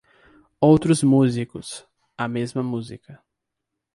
Outros músicos - a mesma música.